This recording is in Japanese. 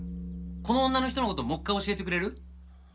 この女の人の事もう一回教えてくれる？